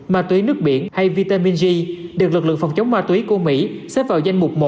ma túy nước biển hay vitamin g được lực lượng phòng chống ma túy của mỹ xếp vào danh mục một